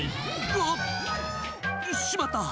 ああしまった！